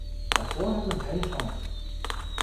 Davor hat man keine Chance.